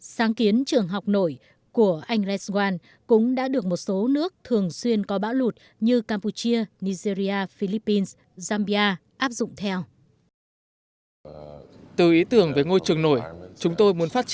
sáng kiến trường học nổi của anh redzwan cũng đã được một số nước thường xuyên có bão lụt như campuchia nigeria philippines zambia